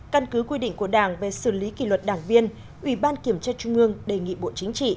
căn cứ quy định của đảng về xử lý kỷ luật đảng viên ủy ban kiểm tra trung ương đề nghị bộ chính trị